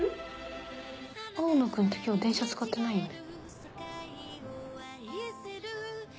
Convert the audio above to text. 青野君って今日電車使ってないよね？